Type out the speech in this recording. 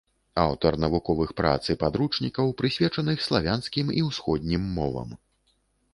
Аўтар навуковых прац і падручнікаў, прысвечаных славянскім і ўсходнім мовам.